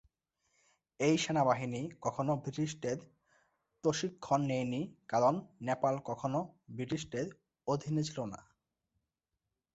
এই সেনাবাহিনী কখনো ব্রিটিশদের প্রশিক্ষণ নেয়নি কারণ নেপাল কখনো ব্রিটিশদের অধীনে ছিলোনা।